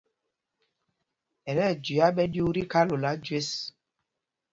Ɛ tí ɛjüiá ɓɛ ɗyuu tí khalola jüés.